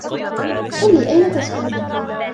قل لي أين تسكن.